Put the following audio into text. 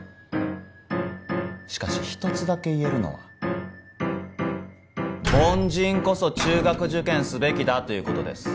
しかし一つだけ言えるのは凡人こそ中学受験すべきだということです。